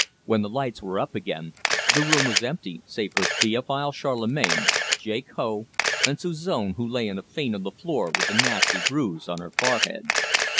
When the lights were up again the room was empty, save for Theophile Charlemagne, Jake Hough, and Suzon, who lay in a faint on the floor with a nasty bruise on her forehead.